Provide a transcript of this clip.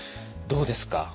どうですか？